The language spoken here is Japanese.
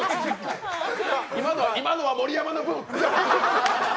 今のは盛山の分。